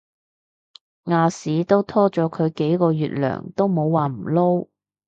亞視都拖咗佢幾個月糧都冇話唔撈